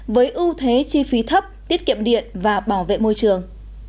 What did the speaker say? với ưu thế chi phí thấp tiết kiệm điện và bảo vệ môi trường